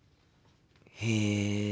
へえ。